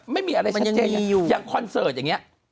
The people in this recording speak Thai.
ไม่มีอะไรชัดเข้ายังจัดยังคอนเสิร์ตอย่างนี้